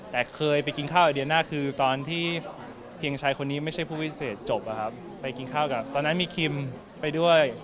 แต่เคยไปกินข้าวกับเดียน่าคือตอนที่เพียงชายคนนี้ไม่ใช่ผู้พิเศษจบไปกินข้าวกับตอนนั้นมีคิมไปด้วย